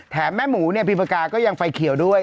แถมแม่หมูแฟนกราศก็ยังไฟเขียวด้วย